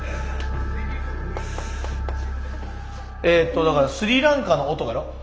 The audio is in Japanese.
えっとだからスリランカの男やろ。